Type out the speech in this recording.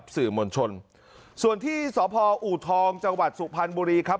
ส่วนที่สอู๋ทองจสุภัณฑ์บุรีครับ